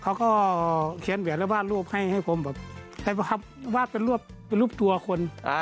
เขาก็เขียนแบบวาดรูปให้ผมแบบวาดเป็นรูปตัวคน